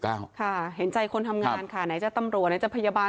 ค่ะเห็นใจคนทำงานค่ะไหนจะตำรวจไหนจะพยาบาล